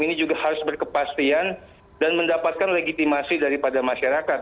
ini juga harus berkepastian dan mendapatkan legitimasi daripada masyarakat